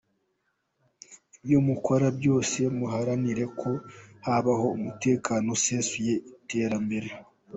Ibyo mukora byose muharanire ko habaho umutekano usesuye n’iterambere.